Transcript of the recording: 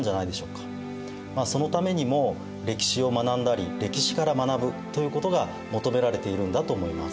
そのためにも歴史を学んだり歴史から学ぶということが求められているんだと思います。